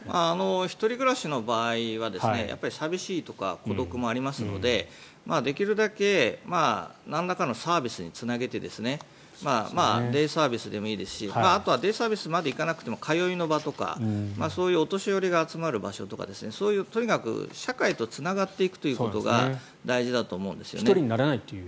１人暮らしの場合は寂しいとか孤独もありますのでできるだけなんらかのサービスにつなげてデイサービスでもいいですしあとはデイサービスまでいかなくてもお年寄りが集まる場所とかそういうとにかく、社会とつながっていくということが大事だと思うんですね。